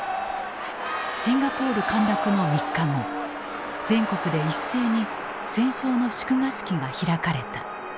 シンガポール陥落の３日後全国で一斉に戦勝の祝賀式が開かれた。